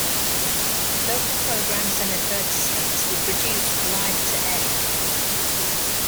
Local programs and advertisements were produced live to air.